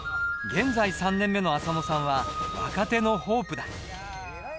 現在３年目の浅野さんは若手のホープだ。